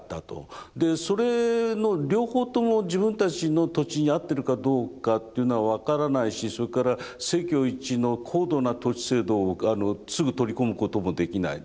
でそれの両方とも自分たちの土地に合ってるかどうかというのは分からないしそれから政教一致の高度な都市制度をすぐ取り込むこともできない。